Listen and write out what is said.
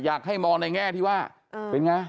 อยากให้มองในแง่ที่ว่าเป็นไง